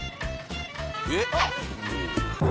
えっ？